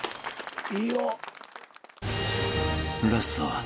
［ラストは］